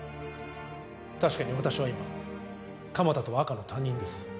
確かに私は今、鎌田とは赤の他人です。